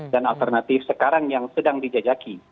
dan alternatif sekarang yang sedang dijajaki